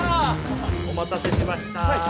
おまたせしました。